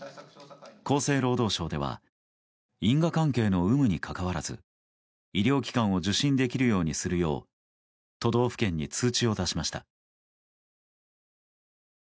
厚生労働省では因果関係の有無に関わらず医療機関を受診できるようにするよう都道府県に通知を出しました。